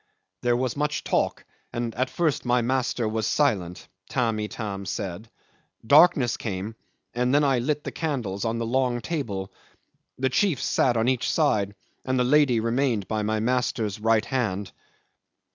"There was much talk, and at first my master was silent," Tamb' Itam said. "Darkness came, and then I lit the candles on the long table. The chiefs sat on each side, and the lady remained by my master's right hand."